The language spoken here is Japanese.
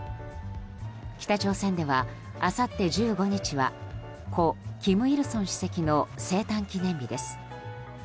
北朝鮮では、あさって１５日は故・金日成主席の生誕記念日です。